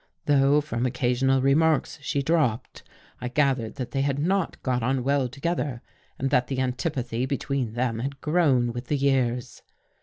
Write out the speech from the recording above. Though, from occasional remarks she dropped, I gathered that they had not got on well together and that the antipathy between them had grown with the years.